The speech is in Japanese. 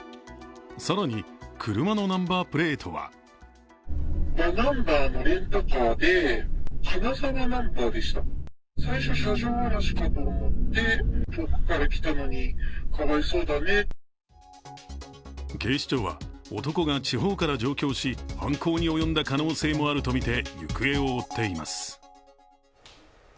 更に車のナンバープレートは警視庁は男が地方から上京し、犯行に及んだ可能性もあるとみて行方を追っています。